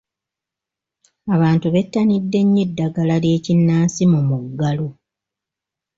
Abantu bettaniddde nnyo eddagala ly’ekinnansi mu muggalo.